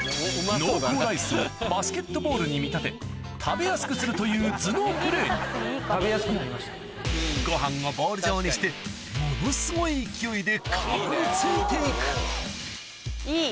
濃厚ライスをバスケットボールに見立て食べやすくするという頭脳プレーご飯をボール状にしてものすごい勢いでかぶりついていくいい。